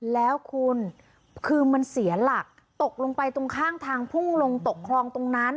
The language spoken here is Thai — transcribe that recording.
แล้วคุณคือมันเสียหลักตกลงไปตรงข้างทางพุ่งลงตกคลองตรงนั้น